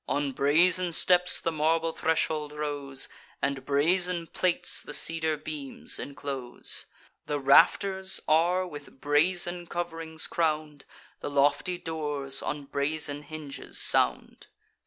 On brazen steps the marble threshold rose, And brazen plates the cedar beams inclose: The rafters are with brazen cov'rings crown'd; The lofty doors on brazen hinges sound.